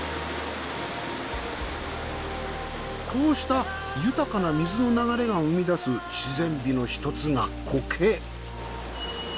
こうした豊かな水の流れが生み出す自然美の一つが苔。